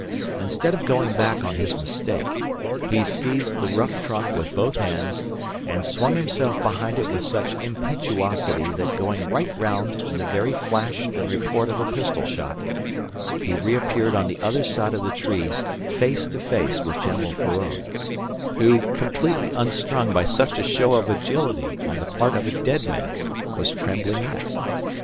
Instead of going back on his mistake, he seized the rough trunk with both hands and swung himself behind it with such impetuosity that going right round in the very flash and report of a pistol shot, he reappeared on the other side of the tree face to face with General Feraud, who, completely unstrung by such a show of agility on the part of a dead man, was trembling yet.